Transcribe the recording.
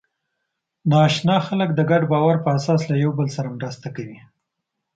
ناآشنا خلک د ګډ باور په اساس له یوه بل سره مرسته کوي.